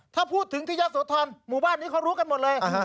ถ้าพูดถึงที่ยะโสธรหมู่บ้านนี้เขารู้กันหมดเลย